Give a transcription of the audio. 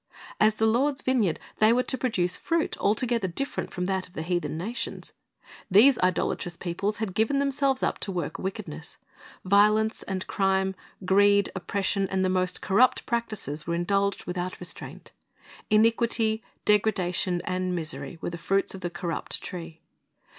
As the Lord's vineyard they were to produce fruit altogether different from that of the heathen nations. These idolatrous peoples had given themselves up to work wicked ness. Violence and crime, greed, oppression, and the most corrupt practises, were indulged without restraint. Iniquity, djgradation, and misery were the fruits of the corrupt tree.